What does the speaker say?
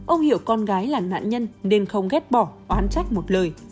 ông hiểu con gái là nạn nhân nên không ghép bỏ oán trách một lời